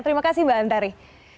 terima kasih mbak antari